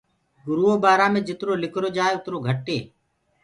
گُرو بآرآ مي جِترو لِکرو جآئي اُترو گھٽ هي۔